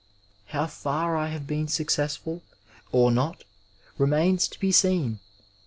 How far I have been successful, or not, remains to be seen.